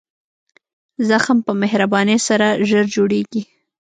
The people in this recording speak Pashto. زخم په مهربانۍ سره ژر جوړېږي.